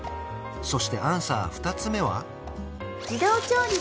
そしてアンサー２つ目は？